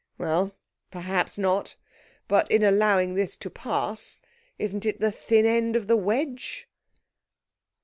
'Well, perhaps not, but in allowing this to pass isn't it the thin end of the wedge?'